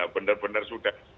bener bener sudah di drop